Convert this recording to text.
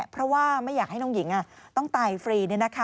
เพราะว่าไม่อยากให้น้องหญิงต้องตายฟรี